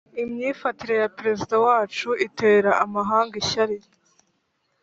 imyifatire ya Perezida wacu itera amahanga ishyari